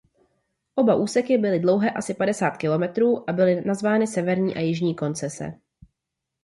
Oba úseky byly dlouhé asi padesát kilometrů a byly nazvány Severní a Jižní koncese.